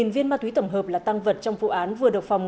năm mươi năm viên ma túy tổng hợp là tăng vật trong vụ án vừa độc phòng